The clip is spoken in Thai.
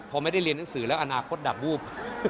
พอไม่ได้เรียนหนังสือแล้วอนาคตดับวูบ